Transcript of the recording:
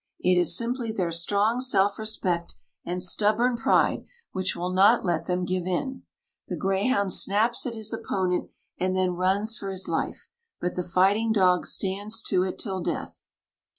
It is simply their strong self respect and stubborn pride which will not let them give in. The greyhound snaps at his opponent and then runs for his life, but the fighting dog stands to it till death.